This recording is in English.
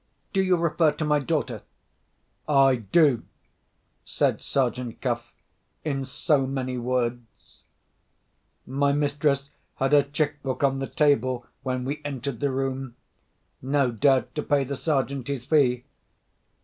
"Do you refer to my daughter?" "I do," said Sergeant Cuff, in so many words. My mistress had her cheque book on the table when we entered the room—no doubt to pay the Sergeant his fee.